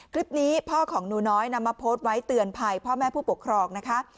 คลิปนี้พ่อของหนูน้อยนำมาโพสต์ไว้เตือนภัยพ่อแม่ผู้ปกครองนะคะ